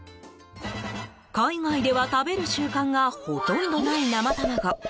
海外では食べる習慣がほとんどない生卵。